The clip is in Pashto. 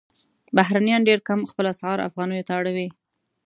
بهرنیان ډېر کم خپل اسعار افغانیو ته اړوي.